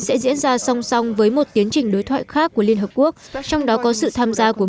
sẽ diễn ra song song với một tiến trình đối thoại khác của liên hợp quốc trong đó có sự tham gia của